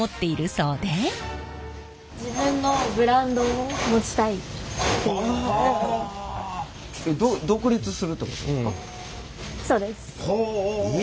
そうです。